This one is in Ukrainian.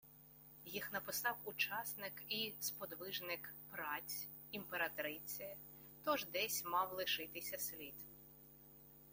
Їх написав учасник і сподвижник «праць» імператриці, тож десь мав лишитися слід